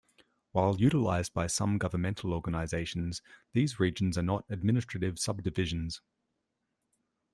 While utilised by some governmental organizations, these regions are not administrative subdivisions.